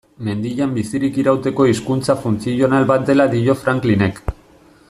Mendian bizirik irauteko hizkuntza funtzional bat dela dio Franklinek.